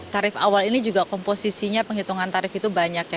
tarif awal ini juga komposisinya penghitungan tarif itu banyak ya